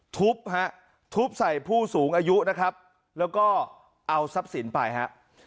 ทุบฮะทุบใส่ผู้สูงอายุนะครับแล้วก็เอาทรัพย์สินไปฮะ